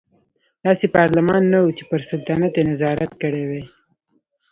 داسې پارلمان نه و چې پر سلطنت یې نظارت کړی وای.